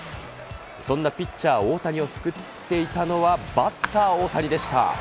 そんなピッチャー、大谷を救っていたのは、バッター、大谷でした。